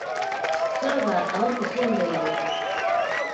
空が青く澄んでいる。